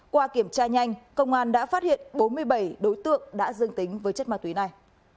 qua kiểm tra nhanh công an đã phát hiện bốn mươi bảy đối tượng đã dương tính với chất ma túy này